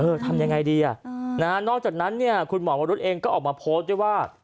ทำยังไงดีอ่ะนะฮะนอกจากนั้นเนี่ยคุณหมอวรุษเองก็ออกมาโพสต์ด้วยว่า